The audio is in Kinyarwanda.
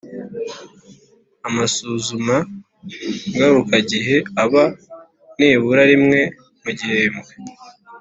Amasuzuma ngarukagihe aba nibura rimwe mu gihembwe